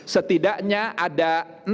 setidaknya ada enam